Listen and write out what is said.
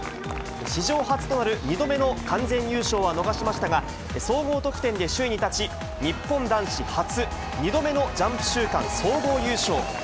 史上初となる２度目の完全優勝は逃しましたが、総合得点で首位に立ち、日本男子初、２度目のジャンプ週間総合優勝。